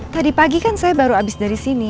tadi pagi kan saya baru habis dari sini